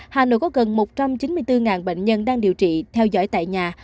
hà nội có gần một trăm chín mươi bốn bệnh nhân đang điều trị theo dõi tại nhà